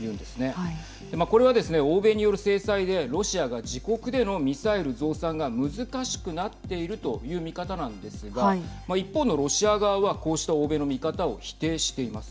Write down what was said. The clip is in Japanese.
これはですね、欧米による制裁でロシアが自国でのミサイル増産が難しくなっているという見方なんですが一方のロシア側はこうした欧米の見方を否定しています。